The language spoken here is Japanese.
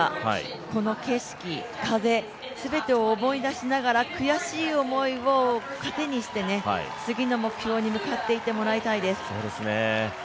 この景色、風、全てを思い出しながら、悔しい思いを糧にして次の目標に向かっていってもらいたいです。